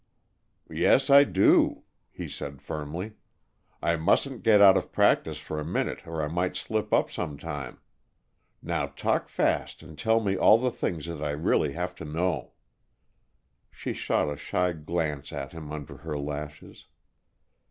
"Yes, I do," he said, firmly. "I mustn't get out of practice for a minute, or I might slip up some time. Now talk fast and tell me all the things that I really have to know." She shot a shy glance at him under her lashes.